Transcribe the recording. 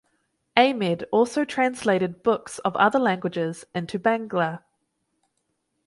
Amed also translated books of other languages into Bangla.